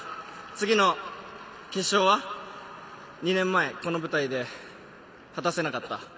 次の決勝は２年前、この舞台で果たせなかった。